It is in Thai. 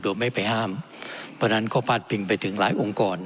โดยไม่ไปห้ามเพราะฉะนั้นก็พาดพิงไปถึงหลายองค์กร